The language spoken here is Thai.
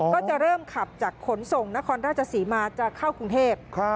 ก็จะเริ่มขับจากขนส่งนครราชศรีมาจะเข้ากรุงเทพ